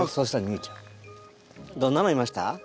どんなのいました？